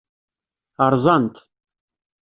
Rẓan-t.